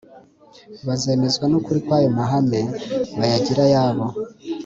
bazemezwa nukuri kwayo mahame bayagire ayabo